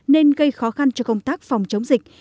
nên gây khó khăn cho công tác phòng chống dịch